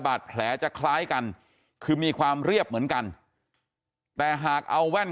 บาดแผลจะคล้ายกันคือมีความเรียบเหมือนกันแต่หากเอาแว่น